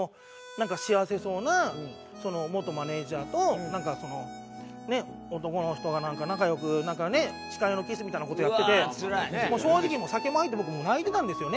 幸せそうな元マネジャーとなんかその男の人が仲良くなんかね誓いのキスみたいな事やってて正直酒も入って僕もう泣いてたんですよね。